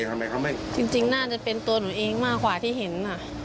ทำไมเขาไม่จริงน่าจะเป็นตัวหนูเองมากกว่าที่เห็น